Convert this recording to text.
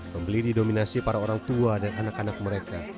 pembeli didominasi para orang tua dan anak anak mereka